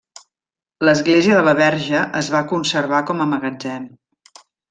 L'Església de la Verge es va conservar com a magatzem.